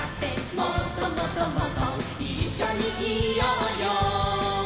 「もっともっともっといっしょにいようよ」